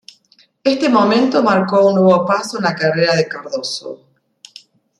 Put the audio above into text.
Este momento marcó un nuevo paso en la carrera de Cardoso.